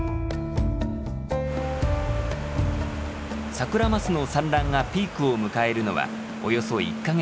サクラマスの産卵がピークを迎えるのはおよそ１か月後。